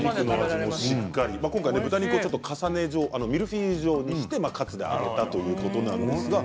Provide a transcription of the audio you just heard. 今回は豚肉をミルフィーユ状にしてカツに揚げたということなんです。